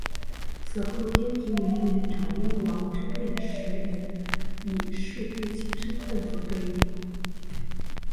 此后天平元年长屋王之变时也以式部卿身份所对应。